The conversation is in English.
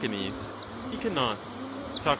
He cannot. Soc.